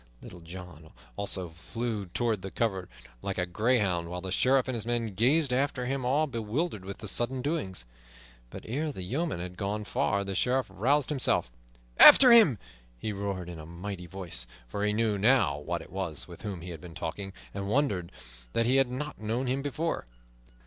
Little John also flew toward the covert like a greyhound, while the Sheriff and his men gazed after him all bewildered with the sudden doing. But ere the yeoman had gone far the Sheriff roused himself. "After him!" he roared in a mighty voice; for he knew now who it was with whom he had been talking, and wondered that he had not known him before.